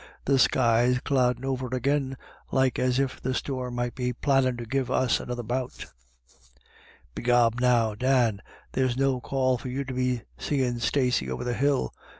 The sky's cloudin' over agin, like as if the storm might be plannin' to give us another bout Begob now, Dan, there's no call for you to be seem* Stacey over the hill.